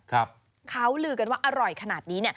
เขาลือกันว่าอร่อยขนาดนี้เนี่ย